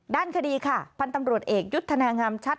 ด้านคดีค่ะพันธ์ตำรวจเอกยุทธนางามชัด